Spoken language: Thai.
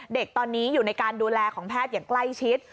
เด็กตอนนี้อยู่ในการดูแลของแพทย์อย่างใกล้ชิด